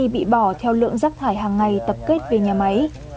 bị bỏ theo lượng rác thải hàng ngày tập kết về nhà máy